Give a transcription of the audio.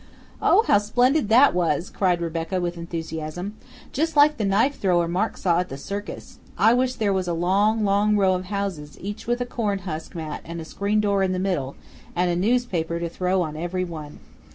"Oh, how splendid that was!" cried Rebecca with enthusiasm. "Just like the knife thrower Mark saw at the circus. I wish there was a long, long row of houses each with a corn husk mat and a screen door in the middle, and a newspaper to throw on every one!"